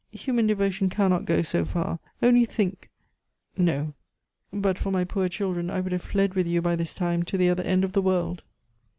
Human devotion cannot go so far. Only think! No. But for my poor children I would have fled with you by this time to the other end of the world."